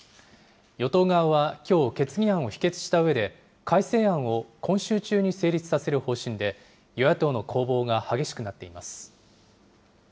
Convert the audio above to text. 与党側はきょう、決議案を否決したうえで、改正案を今週中に成立させる方針で、与野党の攻防が激しくなっています。